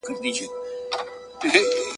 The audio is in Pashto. که یې ځای وو لویي وني په ځنګلوکي `